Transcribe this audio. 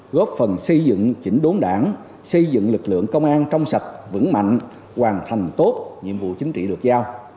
góp phần xây dựng chỉnh đốn đảng xây dựng lực lượng công an trong sạch vững mạnh hoàn thành tốt nhiệm vụ chính trị được giao